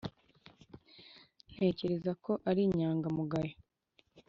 ntekereza ko ari inyangamugayo.